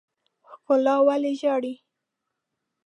ښکلا ولې ژاړي.